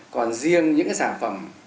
còn riêng những cái sản phẩm